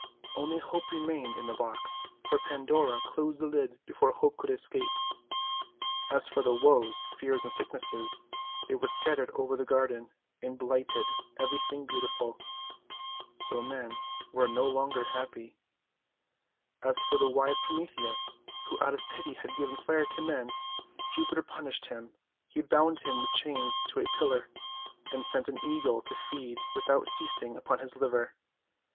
Only Hope remained in the box, for Pandora closed the lid before Hope could escape. As for the Woes, Fears, and Sicknesses, they were scattered over the garden, and blighted every thing beautiful. So men were no longer happj'. As for the wise Prometheus, who out of pity had given Fire to men, Jupiter punished him. He bound him with chains to a pillar, and sent an Eagle to feed without ceasing upon his liver.